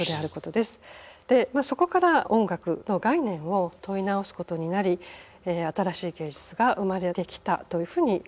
でまあそこから音楽の概念を問い直すことになり新しい芸術が生まれてきたというふうに感じます。